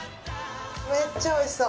めっちゃ美味しそう。